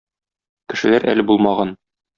Кешеләр әле булмаган.